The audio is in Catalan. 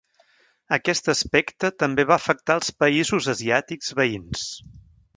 Aquest aspecte també va afectar els països asiàtics veïns.